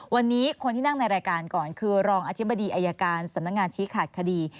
วันนี้คนที่นั่งในรายการก่อนคือรองอธิบดีอายการสำนักงานชี้ขาดคดี